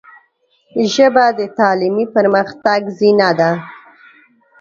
ژبه د تعلیمي پرمختګ زینه ده